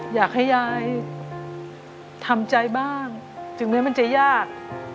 อยากให้ยายทำใจบ้างถึงแม้มันจะยาก